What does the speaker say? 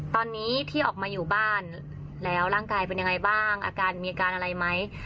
ตอนนี้ที่ออกมาอยู่บ้านแล้วร่างกายเป็นยังไงบ้างอาการมีอาการอะไรไหม